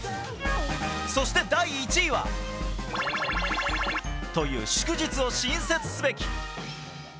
そして第１位は○○の日という祝日を新設すべき。